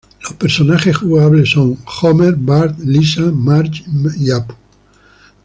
Los personajes jugables son Homer, Bart, Lisa, Marge y Apu.